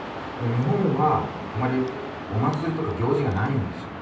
日本はあんまりお祭りとか行事がないんですよ。